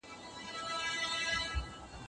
هغوی ټول وي الوتلي